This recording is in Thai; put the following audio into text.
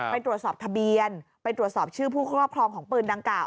ไปตรวจสอบทะเบียนไปตรวจสอบชื่อผู้ครอบครองของปืนดังกล่า